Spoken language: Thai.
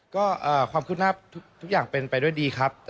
ก็ความคืบหน้าทุกอย่างเป็นไปด้วยดีครับ